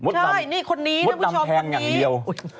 ใช่นี่คนนี้คุณผู้ชมแทงอย่างเดียว